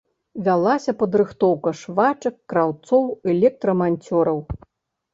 Вялася падрыхтоўка швачак, краўцоў, электраманцёраў.